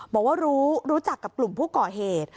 บอกว่ารู้จักกับกลุ่มผู้ก่อเหตุ